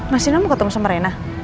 masinu mau ketemu sama rena